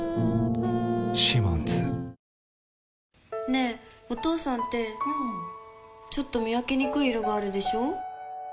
ねぇ、お父さんってうんちょっと見分けにくい色があるでしょ。